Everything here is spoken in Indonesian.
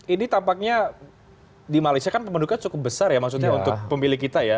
ini tampaknya di malaysia kan penduduknya cukup besar ya maksudnya untuk pemilih kita ya